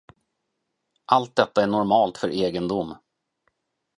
Allt detta är normalt för egendom.